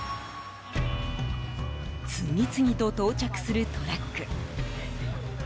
次々と到着するトラック。